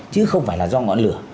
chứ không phải là do ngọn lửa